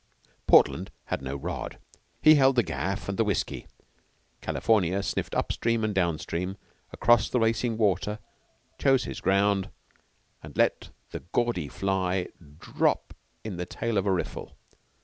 Portland had no rod. He held the gaff and the whiskey. California sniffed up stream and down stream, across the racing water, chose his ground, and let the gaudy fly drop in the tail of a riffle.